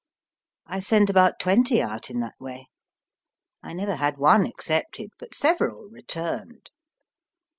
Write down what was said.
I sent about twenty out in that way. I never had one accepted, but seve ral returned.